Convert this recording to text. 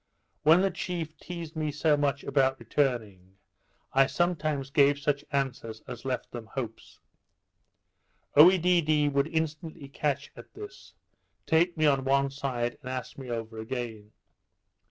When the chief teased me so much about returning, I sometimes gave such answers as left them hopes. Oedidee would instantly catch at this, take me on one side, and ask me over again.